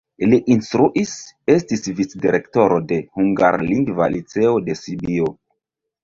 Li instruis, estis vicdirektoro de hungarlingva liceo de Sibio.